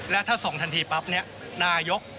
แล้วถ้าส่งทันทีปั๊บเนี่ยนายก